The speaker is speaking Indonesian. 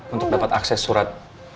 untuk dapat akses surat